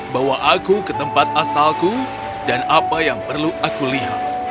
bawa aku ke tempat asalku dan apa yang perlu aku lihat